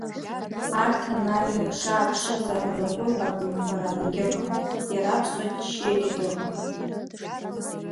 Арҭ анааи, инаԥшааԥшызар, рахәы ҳәа ак умбара егьыҟам, иара аԥсуа ччиагьы дыҟам.